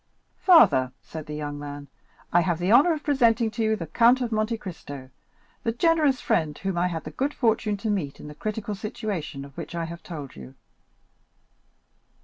"Father," said the young man, "I have the honor of presenting to you the Count of Monte Cristo, the generous friend whom I had the good fortune to meet in the critical situation of which I have told you."